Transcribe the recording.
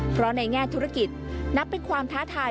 เพราะในแง่ธุรกิจนับเป็นความท้าทาย